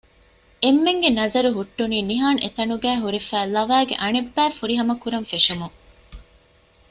އެންމެންގެ ނަޒަރު ހުއްޓުނީ ނިހާން އެތަނުގައި ހުރެފައި ލަވައިގެ އަނެއްބައި ފުރިހަމަ ކުރަން ފެށުމުން